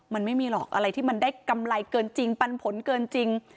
มันไม่มีหรอกอะไรที่มันได้กำไรเกินจริงปันผลเกินจริง